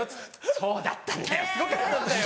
「そうだったんだよすごかったんだよ」